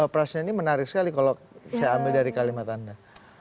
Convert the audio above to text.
pressnya ini menarik sekali kalau saya ambil dari kalimat anda